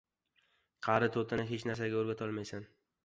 • Qari to‘tini hech narsaga o‘rgatolmaysan.